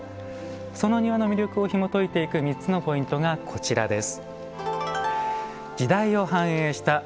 その庭の魅力をひもといていく３つのポイントがこちらです。